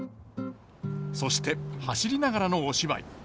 そして走りながらのお芝居。